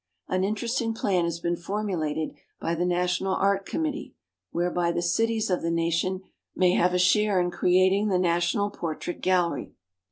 An interesting plan has been formu lated by the National Art Committee whereby the cities of the nation may have a share in creating the National Portrait Gallery.